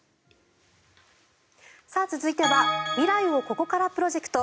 続いては未来をここからプロジェクト。